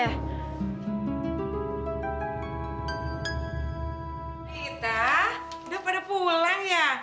kita udah pada pulang ya